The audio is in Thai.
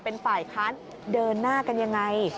เป็นฝ่ายค้านเดินหน้ากันยังไง